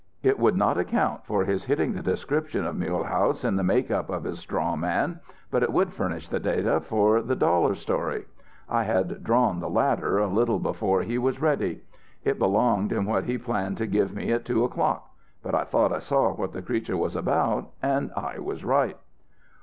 It would not account for his hitting the description of Mulehaus in the make up of his straw man, but it would furnish the data for the dollar story. I had drawn the latter a little before he was ready. It belonged in what he planned to give me at two o'clock. But I thought I saw what the creature was about. And I was right."